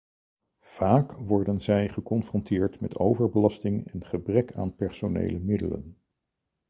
Vaak worden zij geconfronteerd met overbelasting en gebrek aan personele middelen.